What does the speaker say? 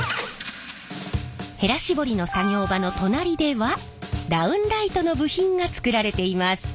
へら絞りの作業場の隣ではダウンライトの部品が作られています。